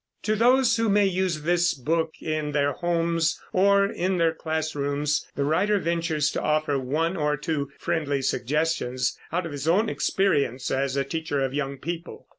To those who may use this book in their homes or in their class rooms, the writer ventures to offer one or two friendly suggestions out of his own experience as a teacher of young people.